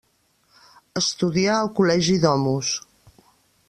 Estudià al col·legi Domus.